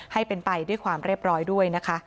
ให้เป็นไปด้วยความเรียบร้อยด้วยนะคะ